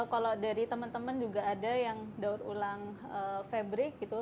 kalau dari teman teman juga ada yang daur ulang fabrik gitu